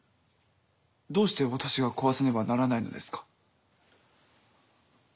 どうして私が壊さねばならないのですか？